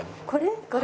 これ？